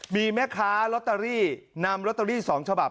มีแม่ค้าลอตเตอรี่นำลอตเตอรี่๒ฉบับ